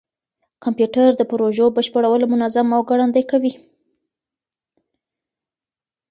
کمپيوټر د پروژو بشپړول منظم او ګړندي کوي.